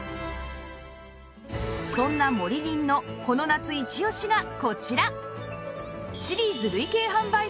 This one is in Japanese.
そんなモリリンのこの夏イチオシがこちら！